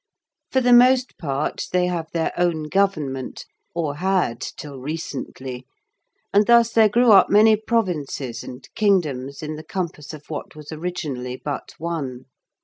For the most part they have their own government, or had till recently, and thus there grew up many provinces and kingdoms in the compass of what was originally but one.